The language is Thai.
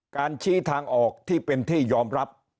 การชี้ทางออกที่เป็นที่ยอมรับ